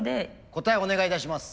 答えお願いいたします。